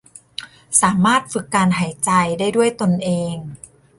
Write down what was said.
สามารถฝึกการหายใจได้ด้วยตนเอง